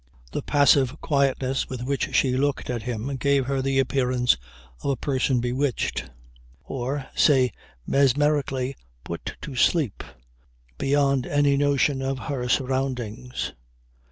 The passive quietness with which she looked at him gave her the appearance of a person bewitched or, say, mesmerically put to sleep beyond any notion of her surroundings.